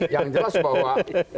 yang jelas bahwa